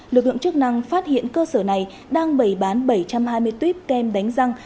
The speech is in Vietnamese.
lực lượng chức năng phát hiện cơ sở này đang bày bán bảy trăm hai mươi tuyếp kem đánh răng